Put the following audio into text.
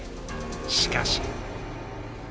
しかし。